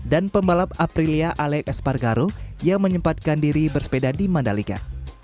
dan pembalap aprilia alex espargaro yang menyempatkan diri bersepeda di mandalika